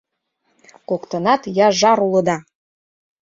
Коктынат яжар улыда!..